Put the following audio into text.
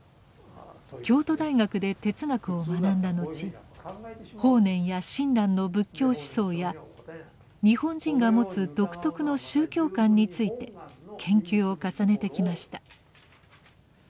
京都大学で哲学を学んだのち法然や親鸞の仏教思想や日本人が持つ独特の宗教観について研究を重ねてきました。